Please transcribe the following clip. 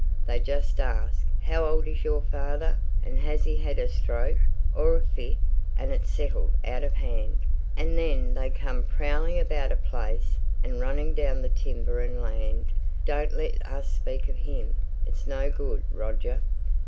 They just ask, 'How old is your father, and has he had a stroke, or a fit?' and it's settled out of hand, and then they come prowling about a place, and running down the timber and land Don't let us speak of him; it's no good, Roger.